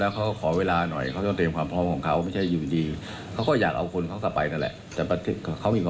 เขาเข้าใจ